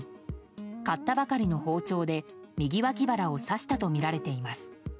買ったばかりの包丁で右脇腹を刺したとみられています。